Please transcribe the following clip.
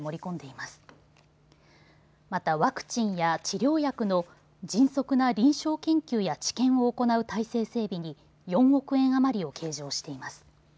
またワクチンや治療薬の迅速な臨床研究や治験を行う体制整備に４億円余りを計上しています。